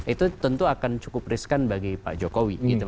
itu tentu akan cukup riskan bagi pak jokowi gitu